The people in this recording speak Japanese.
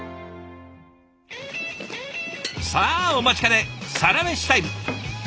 さあお待ちかねサラメシタイム。